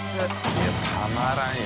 いたまらんよ。